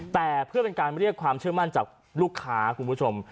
แต่เพื่อเป็นการเรียกความเชื่อมั่นจากลูกค้าคุณผู้ชม